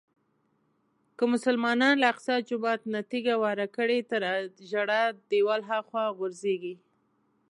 که مسلمانان له اقصی جومات نه تیږه واره کړي تر ژړا دیوال هاخوا غورځېږي.